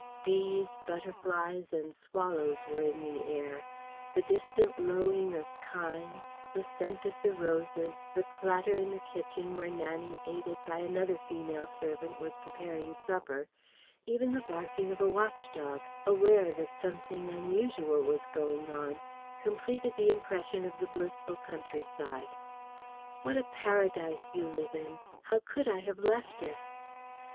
Bees, butterflies and swallows were in the air; the distant lowing of kine, the scent of the roses, the clatter in the kitchen where Nannie aided by another female servant was preparing supper, even the barking of a watch dog; aware that something unusual was going on, completed the impression of the blissful countryside. "What a paradise you live in! How could I have left it?"